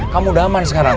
kamu udah aman sekarang